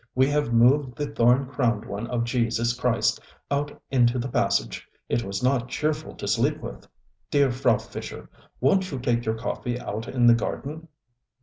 We have moved the thorn crowned one of Jesus Christ out into the passage. It was not cheerful to sleep with. Dear Frau Fischer, wonŌĆÖt you take your coffee out in the garden?